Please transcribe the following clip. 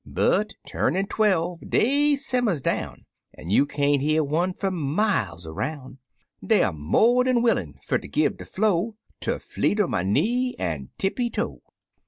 But, turnin' twelve, dey simmers down. An' you can't hear one fer miles aroun'. Deyer mo' dan willin' fer ter gi' de flo' Ter Flee ter my Knee an' Tippity Toe.